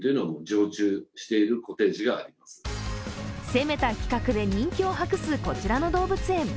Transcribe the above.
攻めた企画で人気を博すこちらの動物園。